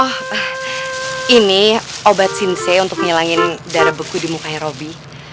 oh ini obat sinse untuk ngilangin darah beku di mukanya roby